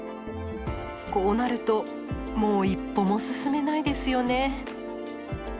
こうなるともう一歩も進めないですよね。